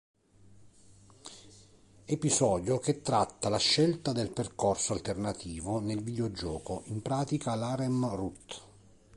Episodio che tratta la scelta del percorso alternativo nel videogioco, in pratica l'harem route.